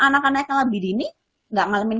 anak akan naik ke labi dini gak ngalamin